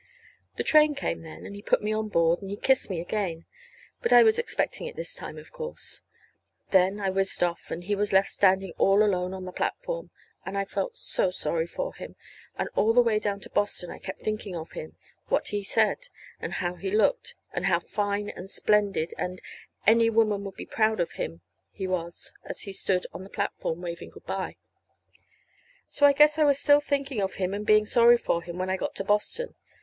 The train came then, and he put me on board, and he kissed me again but I was expecting it this time, of course. Then I whizzed off, and he was left standing all alone on the platform. And I felt so sorry for him; and all the way down to Boston I kept thinking of him what he said, and how he looked, and how fine and splendid and any woman would be proud of him he was as he stood on the platform waving good bye. And so I guess I was still thinking of him and being sorry for him when I got to Boston.